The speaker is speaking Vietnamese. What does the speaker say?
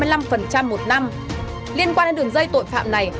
liên quan đến đường dây tội phạm này